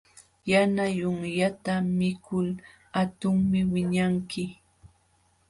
Yana yunyata mikul hatunmi wiñanki.